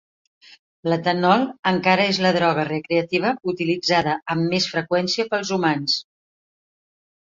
L'etanol encara és la droga recreativa utilitzada amb més freqüència pels humans.